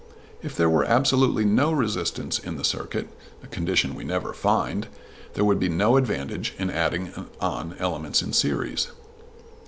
If there were absolutely no resistance in the circuit a condition we never find there would be no advantage in adding on elements in series.